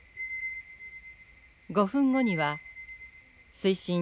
５分後には水深１１ｍ。